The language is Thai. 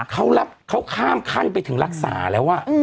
เขารับเขาข้ามขั้นไปถึงรักษาแล้ว